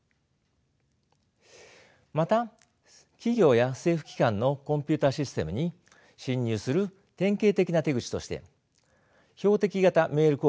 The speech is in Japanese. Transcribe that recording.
また企業や政府機関のコンピューターシステムに侵入する典型的な手口として標的型メール攻撃があります。